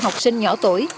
học sinh nhỏ tuổi